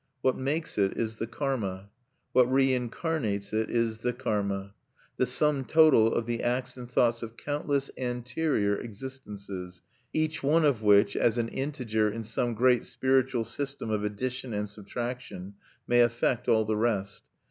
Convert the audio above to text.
What makes it is the karma. What reincarnates is the karma, the sum total of the acts and thoughts of countless anterior existences, each existences, each one of which, as an integer in some great spiritual system of addition and subtraction, may affect all the rest.